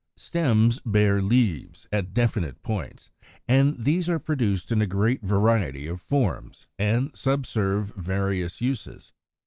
118. STEMS bear leaves, at definite points (nodes, 13); and these are produced in a great variety of forms, and subserve various uses.